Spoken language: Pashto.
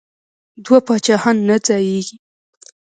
دوه پاچاهان نه ځاییږي.